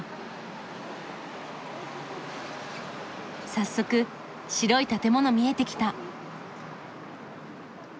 早速白い建物見えてきた。